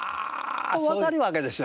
もう分かるわけですよね。